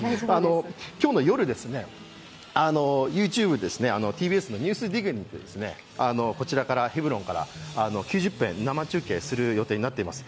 今日の夜、ＹｏｕＴｕｂｅでＴＢＳの「ＮＥＷＳＤＩＧ」でヘブロンから９０分生中継する予定になっています。